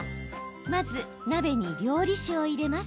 まず、鍋に料理酒を入れます。